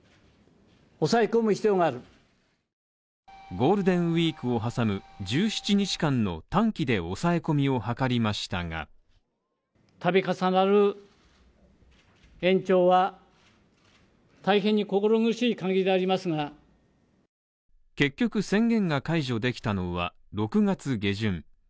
ゴールデンウィークを挟む１７日間の短期で抑え込みを図りましたが結局宣言が解除できたのは６月下旬。